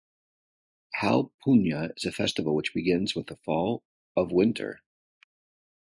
Hal punhya is a festival which begins with the fall of winter.